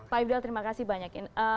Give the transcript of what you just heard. pak ifdal terima kasih banyak